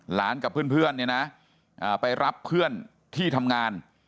กับเพื่อนเนี่ยนะไปรับเพื่อนที่ทำงาน